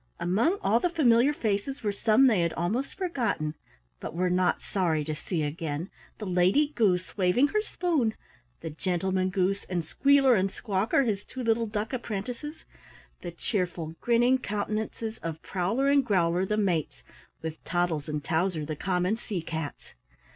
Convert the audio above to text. Among all the familiar faces were some they had almost forgotten but were not sorry to see again: the Lady Goose, waving her spoon; the Gentleman Goose, and Squealer and Squawker, his two little duck apprentices; the cheerful grinning countenances of Prowler and Growler, the mates, with Toddles and Towser the common sea cats.